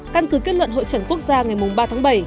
căn cứ kết luận hội trần quốc gia ngày ba tháng bảy